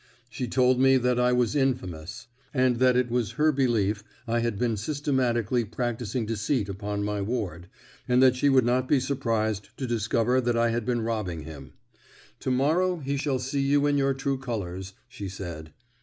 She told me that I was infamous, and that it was her belief I had been systematically practising deceit upon my ward, and that she would not be surprised to discover that I had been robbing him. 'To morrow he shall see you in your true colours,' she said.